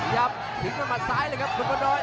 หินด้วยหมัดซ้ายเลยครับคุณพนอยด์